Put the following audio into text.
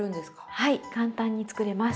はい簡単に作れます。